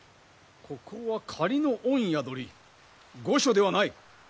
ここは仮の御宿り御所ではない！